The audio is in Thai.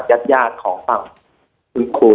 วันนี้แม่ช่วยเงินมากกว่า